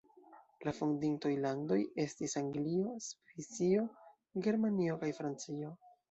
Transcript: La fondintoj landoj estis Anglio, Svisio, Germanio kaj Francio.